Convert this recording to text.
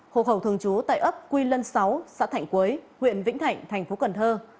hộ khẩu thường trú tại ấp quy lân sáu xã thạnh quấy huyện vĩnh thạnh thành phố cần thơ